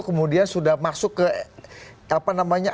kemudian sudah masuk ke apa namanya